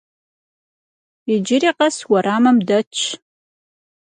Иджыри къэс уэрамым дэтщ.